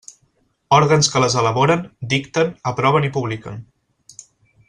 Òrgans que les elaboren, dicten, aproven i publiquen.